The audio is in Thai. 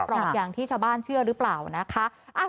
อย่างที่ชาวบ้านเชื่อหรือเปล่านะคะ